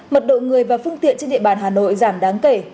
mật độ người và phương tiện trên địa bàn hà nội giảm đáng kể